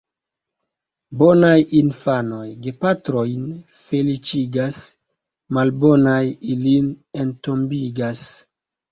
Bonaj infanoj gepatrojn feliĉigas, malbonaj ilin entombigas.